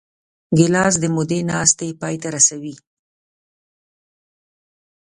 ګیلاس د مودې ناستې پای ته رسوي.